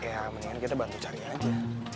ya mendingan kita bantu cari aja